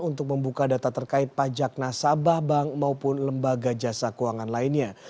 untuk membuka data terkait pajak nasabah bank maupun lembaga jasa keuangan lainnya